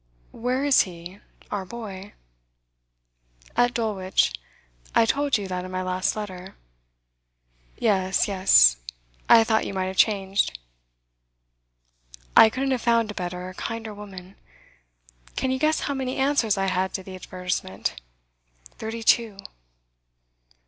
'Where is he our boy?' 'At Dulwich. I told you that in my last letter.' 'Yes yes. I thought you might have changed.' 'I couldn't have found a better, kinder woman. Can you guess how many answers I had to the advertisement? Thirty two.